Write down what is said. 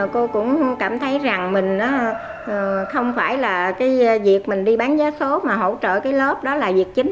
cô cũng cảm thấy rằng mình không phải là cái việc mình đi bán vé số mà hỗ trợ cái lớp đó là việc chính